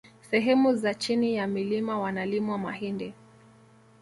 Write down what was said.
Sehemu za chini ya mlima wanalimwa mahindi